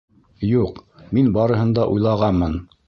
Юҡ, мин барыһын да уйлағанмын.